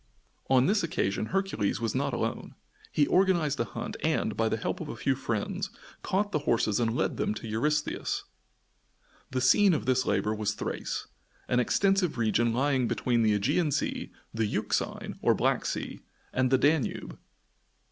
On this occasion Hercules was not alone. He organised a hunt and, by the help of a few friends, caught the horses and led them to Eurystheus. The scene of this labor was Thrace, an extensive region lying between the Ægean Sea, the Euxine or Black Sea, and the Danube.